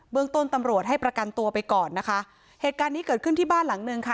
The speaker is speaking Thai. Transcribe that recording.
เมืองต้นตำรวจให้ประกันตัวไปก่อนนะคะเหตุการณ์นี้เกิดขึ้นที่บ้านหลังนึงค่ะ